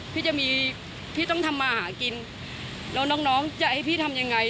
พี่จะมีพี่ต้องทำมาหากินแล้วน้องน้องจะให้พี่ทำยังไง